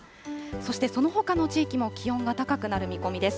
そしてそのほかの地域も気温が高くなる見込みです。